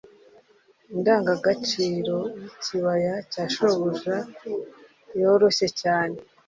indangagaciro y'ikibaya ya shobuja yoroshye cyane